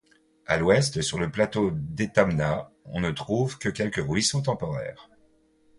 À l'ouest sur le plateau d'Étamenat on ne trouve que quelques ruisseaux temporaires.